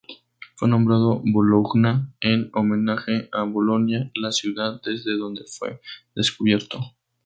Fue nombrado Bologna en homenaje a Bolonia la ciudad desde donde fue descubierto.